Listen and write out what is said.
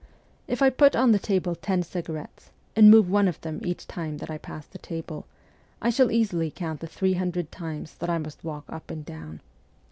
' If I put on the table ten cigarettes, and move one of them each time that I pass the table, I shall easily count the three hundred times that I must walk up and down.